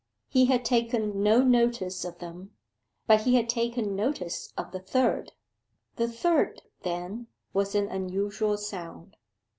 He had taken no notice of them, but he had taken notice of the third. The third, then, was an unusual sound.